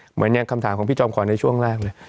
เหมือนอย่างคำถามของพี่จอมขวัญในช่วงแรกเลย